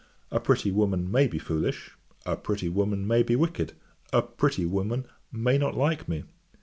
A pretty woman may be foolish; a pretty woman may be wicked; a pretty woman may not like me.